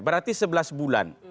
berarti sebelas bulan